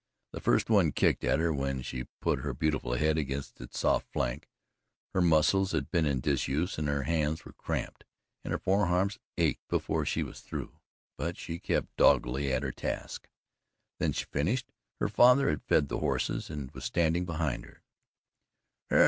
The first one kicked at her when she put her beautiful head against its soft flank. Her muscles had been in disuse and her hands were cramped and her forearms ached before she was through but she kept doggedly at her task. When she finished, her father had fed the horses and was standing behind her.